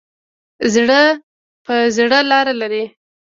زړه په زړه لار لري.